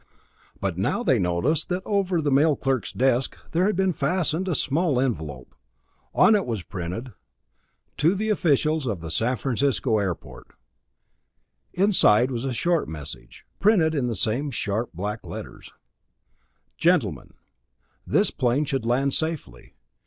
But now they noticed that over the mail clerk's desk there had been fastened a small envelope. On it was printed: To the Officials of the San Francisco Airport Inside was a short message, printed in the same sharp, black letters: Gentlemen: This plane should land safely.